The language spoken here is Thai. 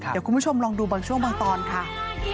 เดี๋ยวคุณผู้ชมลองดูบางช่วงบางตอนค่ะ